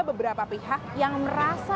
beberapa pihak yang merasa